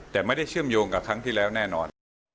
แต่ไม่ได้เชื่อมโยงกับครั้งที่แล้วแน่นอน